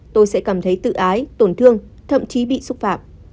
tôi sẽ cảm thấy tự ái tổn thương thậm chí bị xúc phạm